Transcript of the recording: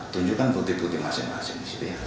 tunjukkan bukti bukti masing masing